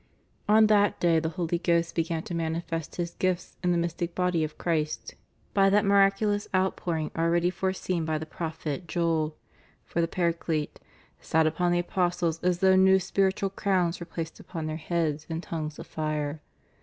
On that day the Holy Ghost began to manifest His gifts in the mystic body of Christ, by that miraculous outpouring already foreseen by the prophet Joel,* for the Paraclete "sat upon the apostles as though new spiritual crowns were placed upon their heads m tongues of fire."